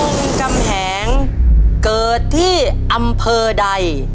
สุเทพวงษ์กำแหงเกิดที่อำเภอใด